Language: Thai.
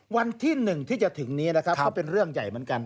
วันที่๑ที่จะถึงนี้นะครับก็เป็นเรื่องใหญ่เหมือนกัน